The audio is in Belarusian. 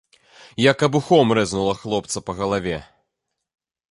Як абухом рэзнула хлопца па галаве.